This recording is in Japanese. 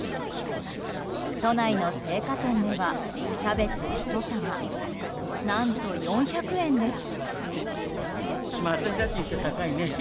都内の青果店ではキャベツ１玉何と４００円です。